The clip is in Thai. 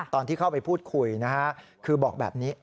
ตอนที่เข้าไปพูดคุยนะฮะคือบอกแบบนี้